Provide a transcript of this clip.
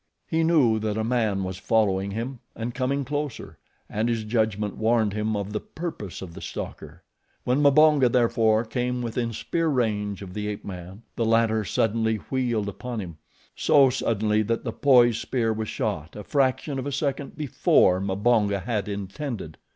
He knew that a man was following him and coming closer, and his judgment warned him of the purpose of the stalker. When Mbonga, therefore, came within spear range of the ape man, the latter suddenly wheeled upon him, so suddenly that the poised spear was shot a fraction of a second before Mbonga had intended.